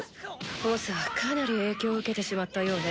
ボスはかなり影響を受けてしまったようね。